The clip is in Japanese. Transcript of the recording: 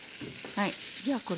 はい。